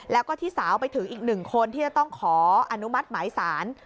แล้วก็ที่สาวไปถึงอีกหนึ่งคนที่จะต้องขออนุมัติหมายสาร